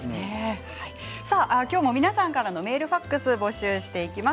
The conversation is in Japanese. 今日も皆さんからのメール、ファックス募集していきます。